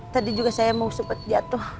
tadi juga saya mau sempat jatuh